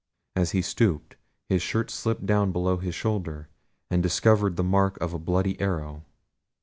As he stooped, his shirt slipped down below his shoulder, and discovered the mark of a bloody arrow.